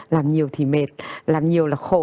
làm nhiều thì mệt làm nhiều là khổ